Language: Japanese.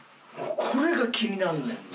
これが気になんねんな。